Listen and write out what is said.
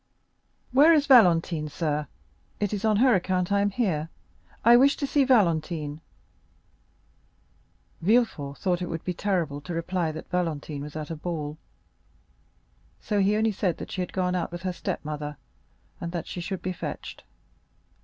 Where is Valentine, sir? It is on her account I am here; I wish to see Valentine." 30315m Villefort thought it would be terrible to reply that Valentine was at a ball; so he only said that she had gone out with her step mother, and that she should be fetched.